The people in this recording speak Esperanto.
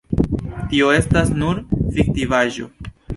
Tio estas nur fiktivaĵo.